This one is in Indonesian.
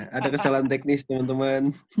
nah ada kesalahan teknis temen temen